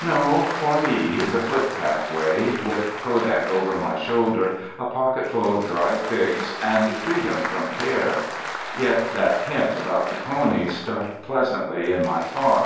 No, for me "the footpath way," with kodak over my shoulder, a pocketful of dried figs, and free dom from care. Yet that hint about the pony stuck pleasantly in my thought.